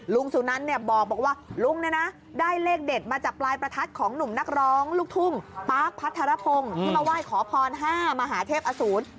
สุนันเนี่ยบอกว่าลุงเนี่ยนะได้เลขเด็ดมาจากปลายประทัดของหนุ่มนักร้องลูกทุ่งปาร์คพัทรพงศ์ที่มาไหว้ขอพร๕มหาเทพอสูร